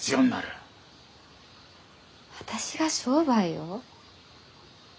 私が商売を？